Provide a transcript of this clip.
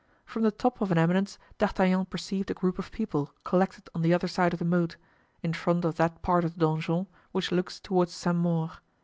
From the top of an eminence D'Artagnan perceived a group of people collected on the other side of the moat, in front of that part of the donjon which looks toward Saint Maur.